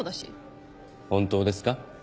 本当ですか？